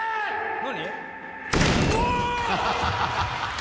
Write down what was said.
何？